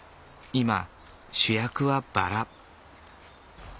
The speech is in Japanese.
今主役はバラ。